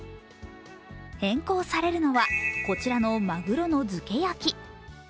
変更されるのはこちらのまぐろの漬け焼き。